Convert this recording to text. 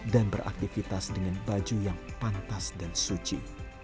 dan beraktivitas dengan baju yang pantas dan suci